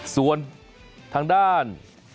ส่วนทางด้าน